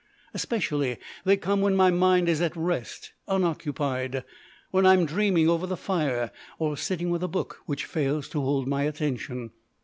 Especially they come when my mind is at rest, unoccupied; when I'm dreaming over the fire, or sitting with a book which fails to hold my attention.